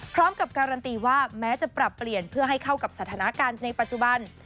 พร้อมกับการันตีว่าแม้จะปรับเปลี่ยนเพื่อให้เข้ากับสถานการณ์ในปัจจุบัน